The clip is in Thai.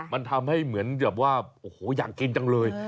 มันทำให้เหมือนแบบว่าโอ้โหอยากกินจังเลย